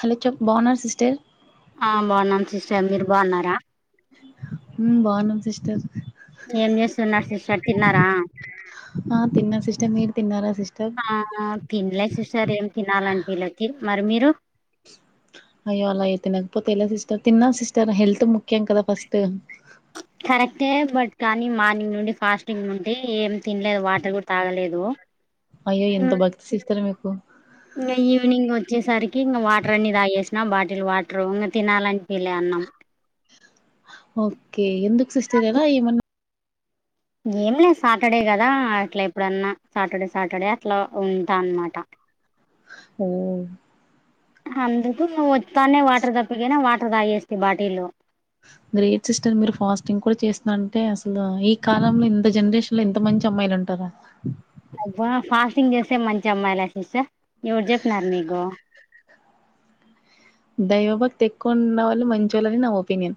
Hello చప్ బౌన్నర్ sister ఆ బాగున్నాం సిస్టర్ మీరు బాగున్నార ఉమ్ బాగున్నాం సిస్టర్ ఏం చేస్తున్నార్ సిస్టర్ తిన్నరా ఆ తిన్న సిస్టర్ మీరు తిన్నార సిస్టర్ ఆ తినలే సిస్టర్ ఏం తినాల అనిపిల మరి మీరు అయ్యో అలా అయితే తినకపోతే ఎలా సిస్టర్ తిన్నా సిస్టర్ హెల్త్ ముఖ్యం కదా ఫస్ట్ కరెక్టే బట్ కానీ మార్నింగ్ నుండి ఫాస్టింగ్ నుండి ఏం తినలేదు వాటర్ కూడ తాగలేదు అయ్యో ఎంత ఉమ్, భక్తి సెస్టర్ మీకు ఇంకా ఈవినింగ్ వచ్చేసరికి ఇంకా వాటర్ అన్ని తాగేసిన బాటిల్ వాటర్ ఇంక తినాలని పీలే అన్నాం ఓకే ఎందుకు సిస్టర్ ఎద ఎమన్న ఏం లేదు సాటర్డే కదా అట్లా ఎప్పుడన్నా సాటర్డే సాటర్డే అట్లా ఉంటా అనమాట ఓ అందుకు నువ్ వత్తానే వాటర్ దప్పినా వాటర్ దాగిేస్తతి బాటిల్ గ్రేట్ సిస్టర్ మీరు ఫాస్టింగ్ కూడా చేస్తున్నార్ అంటే అసలు ఈ కాలంలో ఇంత జనరేషన్ లెంత మంచి అమ్మాయిలుంటారా అబ్బా ఫాస్టింగ్ జేస్తే మంచి అమ్మాయిలా సిస్సే ఎవరు జెప్నార్ మీకు దైవభక్తేక్కువున్న వాళ్ళు మంచోళ్ళని నా ఒపీనియన్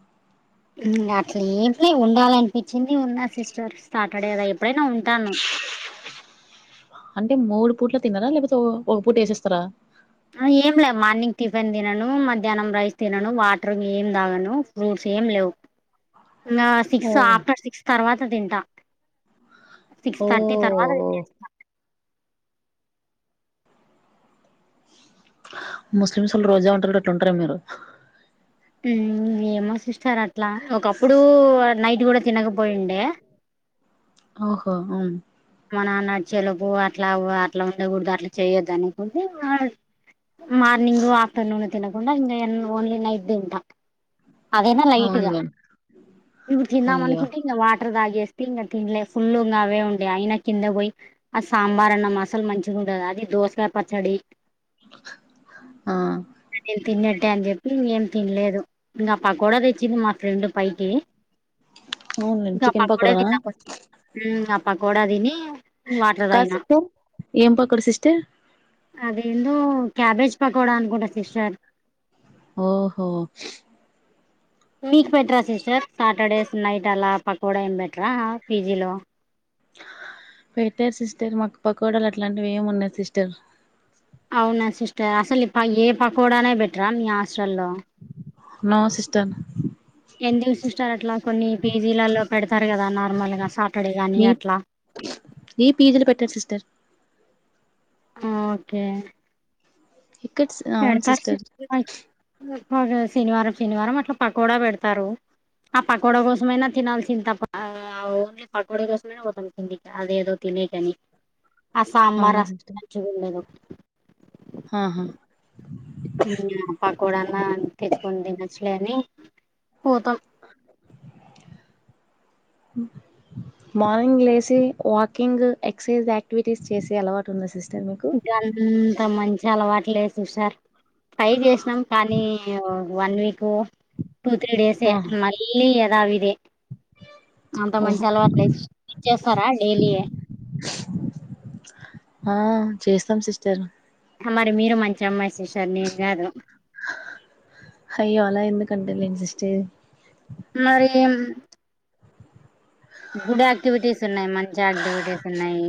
ఉం అట్లేమ్లే ఉండాలన్పిచ్చింది ఉన్నా సిస్టర్ సార్టడే గదా ఎప్పుడైనా ఉంటాను. అంటే మూడు పూట్ల తిన్నారా లేపోతే ఒ ఒక పూట ఎసేస్తారా ఆ ఏం లే మార్నింగ్ టిఫిన్ దినను మధ్యాహ్నం రైస్ తినను వాటర్ ఏం దాగను ఫ్రూట్స్ ఏం లేవ్ నాస్ ఓ సిక్స్ ఆఫ్టర్ సిక్స్ తర్వాత దింటా సిక్స్ ఓ థర్టీ తర్వాత [inaudible] ముస్లిమ్స్ ఒళ్ళు రోజా ఉంటరు జుడు అట్లుంటారేమో మీరు ఉం ఏమో సిస్టర్ అట్లా ఒకప్పుడు నైట్ గూడా తినకపోయుండే ఓహో ఉం మా నాన్న అచ్చేలోపు అట్లా ఉ అట్లా ఉండగూడుదు అట్లా చేయోద్ [unintelligible] మార్నింగు ఆఫ్టర్నూను తినకుండా ఇంగా యన్ ఒన్లీ నైట్ దింటా అదేనా లైటుగా అవునులేండి ఇప్పుడు అయ్యో తిందామన్కుంటే ఇంగా వాటర్ దాగేస్ పింగ తిన్లే ఫుల్లుంగ అవే ఉండే అయినా కింద బోయ్ ఆ సాంబార్ అన్నం అసల్ మంచిగుండద్ అది దోస్కాయ్ పచ్చడి. ఆ పటేల్ తిన్నట్టే అన్ జేప్పి ఏం తిన్లేదు న్న పకోడా దెచ్చింది మా ఫ్రెండు పైకి అవునులేండి గ చికెన్ పకోడా పకోడానా దిన్న కొంచం ఉం ఆ పకోడ దిని వాటర్ కాదు దాగిన సిస్టర్ ఏం పకోడ సిస్టర్ అదేందో క్యాబేజ్ పకోడా అనుకుంటా సిస్టర్ ఓహో మీక్ పెట్రా సిస్టర్ సాటర్డేస్ నైట్ అలా పకోడా ఏం పెట్రా పీజీలో పెట్టర్ సిస్టర్ మాక్ పకోడాల్ అట్లాంటివి ఏం ఉండద్ సిస్టర్ అవునా సిస్టర్ అసల్ ఈ ప ఏ పకోడానే బెట్రా మీ హాస్టల్లో నో సిస్టన్ ఎందుగ్ సిస్టార్ అట్లా కొన్ని పీజీలల్లో పెడతారు గదా నార్మల్ గా సాటర్డే గాని మీ అట్లా ఈ పీజీలు పెట్టార్ సిస్టర్ ఆ ఓకే ఇక్కట్స్ గ పెడతారు [unintelligible] శనివారం శనివారం అట్లా పకోడా వెడ్తారు ఆ పకోడా కోసమైనా తినాల్సింద్ తప్ప అవ్ పకోడా కోసమైనా పోతన్ కిందిక్ అదేదో తెలిటని ఆ సాంబార్ అవునా అస్ సిస్టర్ మంచిగుండదు ఆహా పకోడాన్న తెచ్కొన్ దినోచ్చులే అని పోతం మార్నింగ్ లేసి వాకింగ్ ఎక్సైజ్ ఆక్టివిటీస్ చేసే అలవాటుందా సిస్టర్ మీకు ఇంత మంచి అలవాట్లేద్ సిస్టర్ ట్రై జేస్నాం కానీ వన్ వీకు టూ త్రీ డేసే ఆ మళ్ళీ ఏదవిదే అంత ఓహో మంచి అలవాట్ లే సి చేస్తారా డైలీ ఎ ఆ చేస్తాం సిస్టర్ అ మరి మీరు మంచి అమ్మాయ్ సిస్టర్ నేన్ గాదు అయ్యో అలా ఎందుకంటన్లే సిస్టర్ మరి గుడ్ యాక్టివిటీస్ ఉన్నాయి మంచి యాక్టివిటీస్ ఉన్నాయి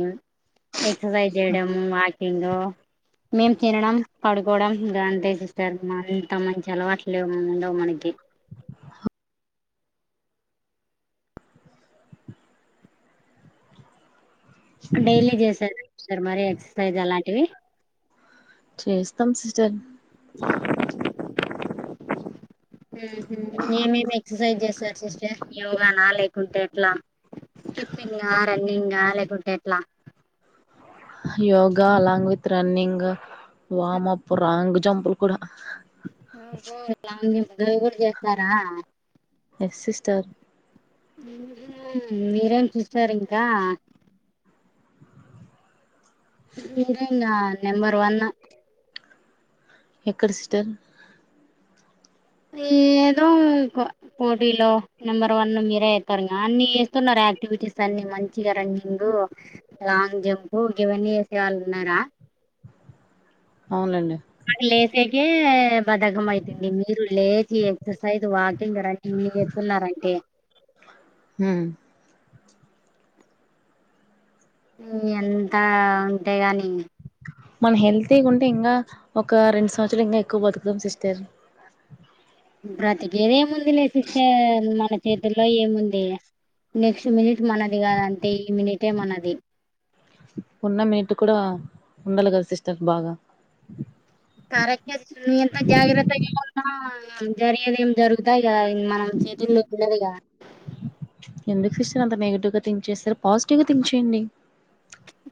ఎక్సర్సైజ్ జేయడమం వాకి కింగు మేము తినడం పడుకోవడం గా అంతే సి [unintelligible] ఇంత మంచి అలవాట్లు లేవ్ ఉండవ్ మనకి డైలీ చేసేరు సార్ మరి ఎక్సర్సైజ్ అలాంటివి చేస్తాం సిస్టర్ ఏమేమి ఎక్సర్సైజ్ చేస్తారు సిస్టర్ నా లేకుంటే ఎట్లా స్కిప్పింగా రన్నింగా లేకుంటే ఏట్లా yoga along with running warm up wrong జంప్లు కూడా ఊ లాంగ్ జంప్ కూడా చేస్తారా ఎస్ సిస్టార్ మీరేం చూస్తారు ఇంకా [unintelligible] నెంబర్ వన్ ఎక్కడ సిస్టర్ ఏదో [unintelligible] పోటీలో నెంబర్ వన్ మీరే ఏత్తారు అన్ని చేస్తున్నారు యాక్టివిటీస్ అన్ని మంచి మంచిగా రన్నింగ్ లాంగ్ జంప్ ఇవన్నీ చేసే వాళ్ళు ఉన్నారా అవునండి మాకు లేసేకే బధకం అయ్తంది మీరు లేచి ఎక్సర్సైజ్ వాకింగ్ రన్నింగ్ చేతున్నారంటే హమ్ హమ్ ఎంత ఉంటే గాని మన హెల్త్గా ఉంటే ఇంకా ఒక రెండు సంవత్సరాలు ఇంకా ఎక్కువ బతుకుతాం సిస్టర్ బ్రతికెది ఏముంది లే సిస్టర్ మన చేతుల్లో ఏముంది నెక్స్ట్ మినిట్ మనది కాదు అంతే ఈ మినిటే మనది ఉన్న మీనిట్ కూడా ఉండాలి కదా సిస్టర్ బాగా కరెక్టే సిస్టర్ ఎంత జాగ్రత్తగా ఉన్నా జరిగేదేం జరుగుతాయి కదా ఇంకా ఆ చేతుల్లో ఉండదిగా ఎందుకు సిస్టర్ అంత నెగిటివ్ గా థింక్ చేస్తారు పాజిటివ్ గా థింక్ చేయండి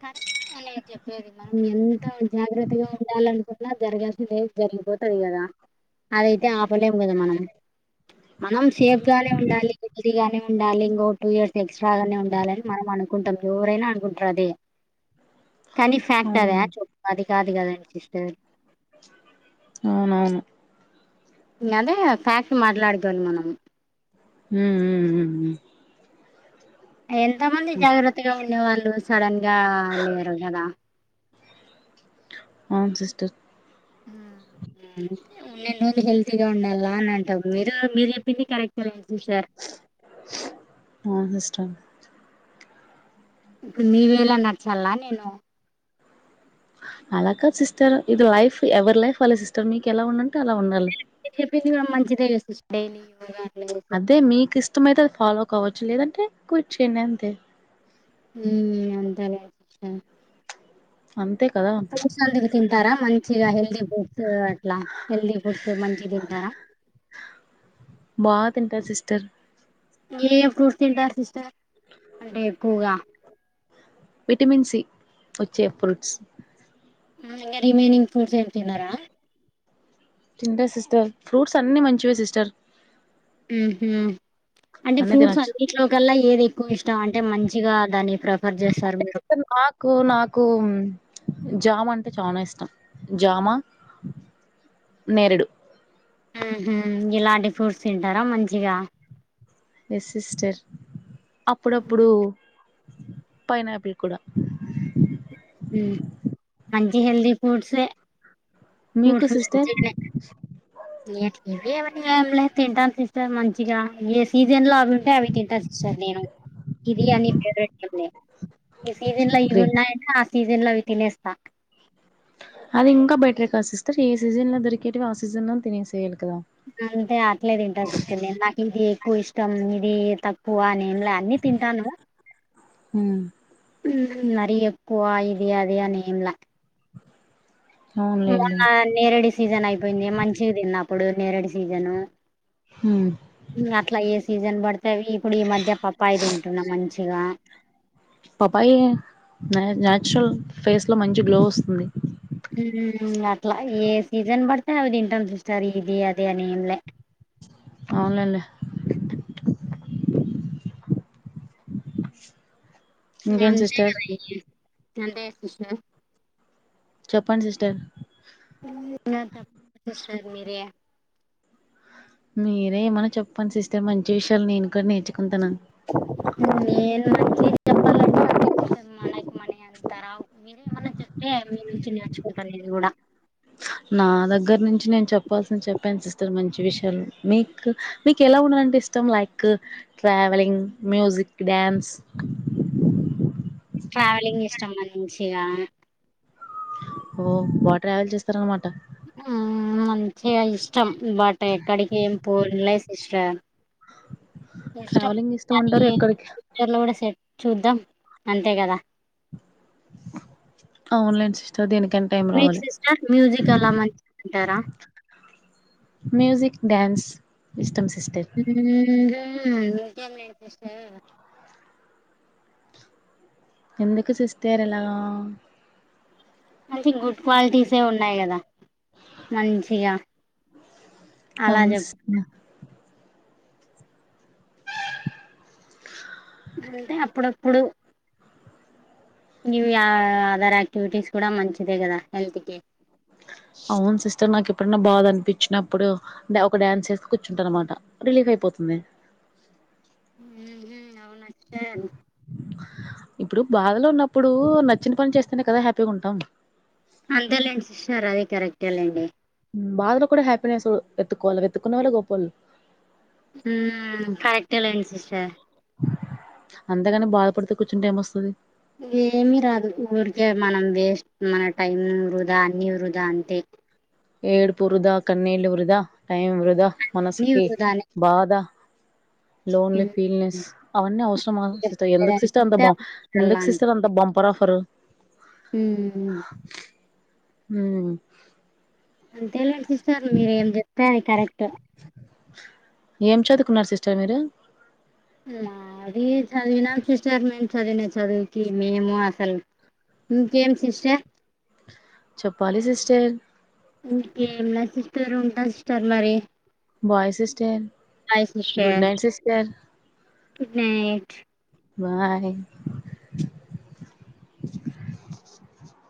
కరెక్ట్ ఆ నేన్ చెప్పేది మనం ఎంత జాగ్రత్తగా ఉండాలనుకున్నా జరగాల్సింది ఎదో జరిగిపోతది కదా అదైతే ఆపలేము కదా మనం మనం సేఫ్ గానే ఉండాలి ది గానే ఉండాలి ఇంకో టూ ఇయర్స్ ఎక్స్ట్రాగానే ఉండాలని మనం అనుకుంటాం ఎవరైనా అనుకుంటారు అది కానీ ఫ్యాక్ట్ అదే అవును యాక్టువల్లి అది కాదు కదా సిస్టర్ అవునవును ఉన్నదే ఫ్యాక్ట్ మాట్లాడుకోవాలి మనం హు హ్మ్ ఉమ్ ఉమ్ ఉమ్ ఎంత మంది జాగ్రత్తగా ఉండే వాళ్ళు సడన్ గా లేరు కదా అవును సిస్టర్ నేను హెల్తీగా ఉండాలా అని అంటాం మీరు మీరు చెప్పింది కూడా కరెక్టేలే సిస్టర్ ఆ సిస్టర్ ఇప్పుడు మీ వే లో నచ్చల నేను అలా కాదు సిస్టర్ ఇది లైఫ్ ఎవరి లైఫ్ వాళ్ళే సిస్టర్ మీకు ఎలా ఉండంటే అలా ఉండాలి మీరు చెప్పింది గూడా మంచిదే గా స్పెయిన్ తే మీకు ఇష్టమేతే అది ఫాలో కావోచ్చు లేదంటే క్విట్ చేయండి అంతే ఉమ్ అంతేలే సిస్టర్ అంతే కదా ఫ్రూట్స్ అనేవి తింటారా మంచిగా హెల్దీ ఫుట్స్ అట్లా హెల్దీ ఫుట్స్ మంచి తింటారా బా తింటా సిస్టర్ ఏ ఏ ఫ్రూట్స్ తింటారు సిస్టర్ అంటే ఎక్వగా విటమిన్ సి ఒచ్చే ఫ్రూట్స్ ఆ ఇంగా రిమైనింగ్ ఫ్రూట్స్ ఏం తినారా తింటా సిస్టర్ ఫ్రూట్స్ అన్ని మంచివే సిస్టర్ ఉహు అంటే అన్ని ఫ్రూట్స్ తినొచ్చు అన్నింట్లోకల్లా ఏది ఎక్కువ ఇష్టం అంటే మంచిగా దాని ఫ్రెఫర్ జెసారు మీరు ఆకు నాకూ జామ్ అంటే చానా ఇష్టం జామా నేరేడు ఉ హామ్ ఇలాంటి ఫ్రూట్స్ తింటారా మంచిగా ఎస్ సిస్టర్ అప్పుడప్పుడు పైనాపిల్ కూడా ఉహు మంచి హెల్ది ఫ్రూట్సే మీకు ఫ్రూట్స్ సిస్టర్ ఏటి కెవే ఏం లేదు తింటాను సిస్టర్ మంచిగా ఏ సీజన్ లో అవి ఉంటే అవి తింటా సర్ నేను ఇది అన్ని ఫేవ్రెట్ లు ఉన్నాయ్ ఈ సీజన్ లో ఇవి గ్రేట్ ఉన్నాయంటే ఆ సీజన్ లో అవి తినేస్తా అది ఇంకా బేటరే కదా సిస్టర్ ఏ సీజన్ లో దొరికేటివి ఆ సీజన్ లో తినేసెయాలి కదా అంతే అట్లే తింటా సిస్టర్ నేను నాకు ఇంకా ఎక్కువ ఇష్టం ఇది తక క్వ ఏంలా అన్నీ తింటాను మ్, ఉమ్ మరి ఎక్కువ ఇది అది అని ఏంలా అ [unintelligible] మొన్న నేరేడి సీజన్ అయిపోయింది మంచిగాదిన్న అపుడు నేరేడి సీజను హు అట్లా ఏ సీజన్ వడ్తే అవి ఇప్పుడు ఈ మధ్య పపాయ తింటున్నా మంచిగా పపాయ న్యాచురల్ ఫేస్లో మంచి గ్లో ఒస్తుంది ఊమ్ అట్లా ఏ సీజన్ బడ్తే అవి దింటాం సిస్టర్ ఇది అది అని ఏం లే అవున్లేండి ఇంకేంటి సిస్టర్ అంతేగదా అంతే చెప్పండి సిస్టర్ ఏం లే సార్ మీరే మీరే ఏమన్నా చెప్పండి సిస్టర్ మంచి విష్యాలు నేను కూడ్ నేర్చుకుంటాను నేను మంచివి చెప్పాలి తే అంతర మీరేమన్న చెప్తే అవి మీ నుంచి నేర్చుకుంట నేను గూడా నా దగ్గర నుంచి నేన్ చెప్పాల్సింది చెప్పాను సిస్టర్ మంచి విష్యాలు మీక్ మీకెలాఉండాలన్టె ఇస్ తమ్ like travelling music dance travelling ఇష్టం మంచిగా ఓ బా ట్రావెల్ చేస్తారూ అన్మాట ఆ మంచిగా ఇష్టం బట్ ఎక్కడికి ఏం పోలే సిస్టర్ ఇష్టం ట్రావెలింగ్ ఇష్టం కానీ అంటారు ఎక్కడికి ఫ్యూచర్లో గూడా సెట్ చూద్దాం అంతే గదా అవును లేండి సిస్టర్ దినికి మీక్ సిస్టర్ మ్యూజిక్ అలా మంచిదంటార మ్యూజిక్ డ్యాన్స్ ఇస్టమ్ సిస్టర్ [unintelligible] ఎందుకు సిస్టర్ ఇలా అయితే గుడ్ క్వాలిటీసే ఉన్నాయి గదా మంచిగా అలా అవును చెప్ సిస్ అంటే అప్పుడప్పుడు ఇవి ఆ ఆదర్ ఆక్టివిటీస్ కూడా మంచిదే గదా హెల్తీ కి అవును సిస్టర్ నాకు ఏపుడన్న బాధ అనిపిచ్చినప్పుడు ఒక డ్యాన్స్ చేసి కూర్చుంట అనమాట రిలీఫ్ అయిపోతుంది హు హమ్ అవునా సిస్టర్ ఇప్పుడు బాధలో ఉన్నప్పుడూ నచ్చిన పని చేస్తేనే కదా హ్యాపీగా ఉంటాం అంతేలేండి సిస్టర్ అది కరెక్టే లేండి ఉం బాదలో కూడా హ్యాపీనెస్ వేతుకోవాలి వెతుకున్న వాళ్లే గొప్పొల్లు ఉం కరెక్టెలెండి సిస్టర్ అంతేగాని బాధపడుతూ కూర్చుంటె ఏం వస్తది ఏమి రాదు ఊరికే మనం వేస్ట్ మన టైం వృధా అన్ని వృద అంతే ఏడుపు వృదా కన్నీళ్లు వృదా టైం వృదా నీ మనసుకి వృధానే బాద లోన్లీ ఫీల్నెస్ అవన్నీ అవసరమా సిస్టర్ ఎందుకు సిస్టర్ అంత బా ఎందుకు సిస్టర్ అంత బాంప పరఫరు ఉం ఉం అంతేలేండి సిస్టర్ మీరు ఏం చెప్తే అది కరెక్టు ఏం చదువుకున్నారు సిస్టర్ మీరు మా అది చదివినా సిస్టర్ మేము చదివిన చదువుకి మేము అసల్ ఇంకేం సిస్టర్ చెప్పాలి సిస్టర్ ఇంకేం లేదు సిస్టర్ ఉంటా సిస్టర్ మరి bye sister bye good sister night sister good night bye